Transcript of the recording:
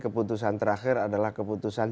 keputusan terakhir adalah keputusan